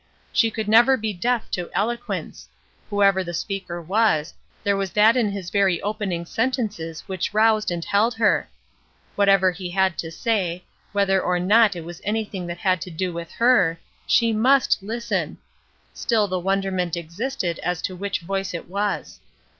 She could never be deaf to eloquence; whoever the speaker was, there was that in his very opening sentences which roused and held her. Whatever he had to say, whether or not it was anything that had to do with her, she must listen. Still the wonderment existed as to which voice it was.